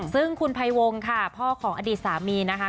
ซึ่งคุณภัยวงค่ะพ่อของอดีตสามีนะคะ